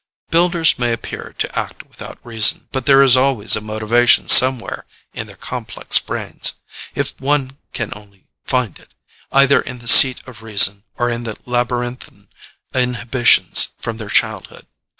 Builders may appear to act without reason, but there is always a motivation somewhere in their complex brains, if one can only find it, either in the seat of reason, or in the labyrinthine inhibitions from their childhood.